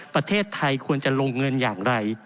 ประเทศไทยควรจะลงเงินอย่างไร